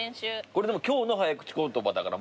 これでも今日の早口言葉だから。